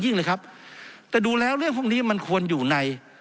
เลยครับแต่ดูแล้วเรื่องพวกนี้มันควรอยู่ใน